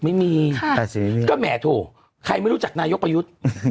ไม่มีค่ะแปดสิบไม่มีก็แหม่ถูกใครไม่รู้จักนายกประยุทธิ์